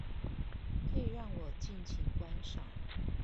可以讓我盡情觀賞